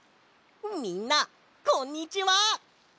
みんなこんにちは。